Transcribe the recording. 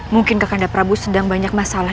mungkin kakanda prabu sedang banyak masalah